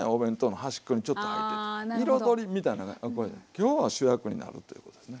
今日は主役になるっていうことですね。